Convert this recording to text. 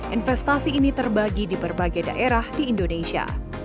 investasi ini terbagi di berbagai daerah di indonesia